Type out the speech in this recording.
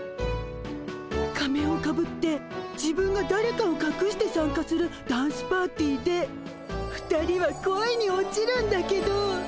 仮面をかぶって自分がだれかをかくして参加するダンスパーティーで２人は恋に落ちるんだけど。